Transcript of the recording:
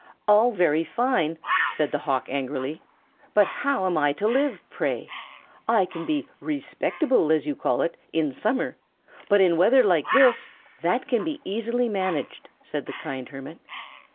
"All very fine!" said the hawk, angrily. "But how am I to live, pray? I can be 'respectable,' as you call it, in summer; but in weather like this " "That can be easily managed," said the kind hermit.